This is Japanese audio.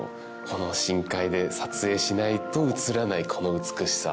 この深海で撮影しないと映らないこの美しさ。